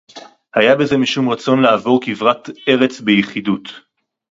הָיָה בְּזֶה מִשּׁוּם רָצוֹן לַעֲבֹר כִּבְרַת אֶרֶץ בִּיחִידוֹת.